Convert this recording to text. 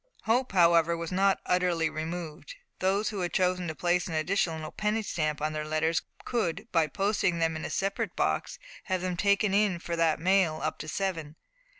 Hope, however, was not utterly removed. Those who chose to place an additional penny stamp on their letters could, by posting them in a separate box, have them taken in for that mail up to seven.